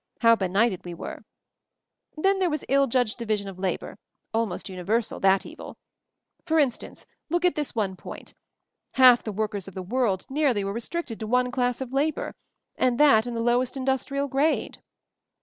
How benighted we were ! "Then there was iU judged division of labor — almost universal ; that evil. For in 126 MOVING THE MOUNTAIN stance, look at this one point; half the workers of the world, nearly, were restricted to one class of labor, and that in the lowest industrial grade."